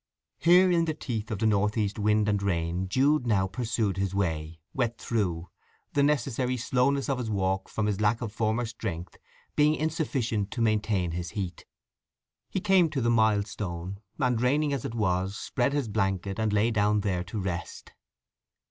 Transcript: Here in the teeth of the north east wind and rain Jude now pursued his way, wet through, the necessary slowness of his walk from lack of his former strength being insufficent to maintain his heat. He came to the milestone, and, raining as it was, spread his blanket and lay down there to rest.